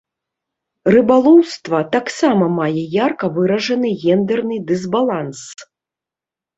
Рыбалоўства таксама мае ярка выражаны гендэрны дысбаланс.